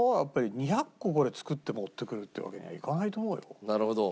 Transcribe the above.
２００個これ作って持ってくるってわけにはいかないと思うよ。